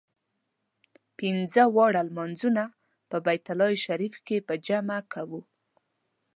پنځه واړه لمونځونه په بیت الله شریف کې په جمع کوو.